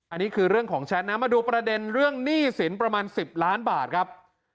อันนี้คือเรื่องของแชทนะมาดูประเด็นเรื่องหนี้สินประมาณ๑๐ล้านบาทครับ